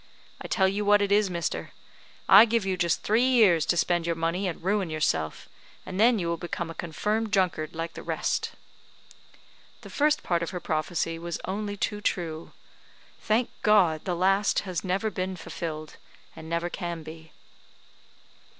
I tell you what it is, mister I give you just three years to spend your money and ruin yourself; and then you will become a confirmed drunkard, like the rest." The first part of her prophecy was only too true. Thank God! the last has never been fulfilled, and never can be.